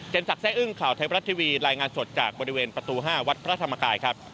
สักแร่อึ้งข่าวไทยบรัฐทีวีรายงานสดจากบริเวณประตู๕วัดพระธรรมกายครับ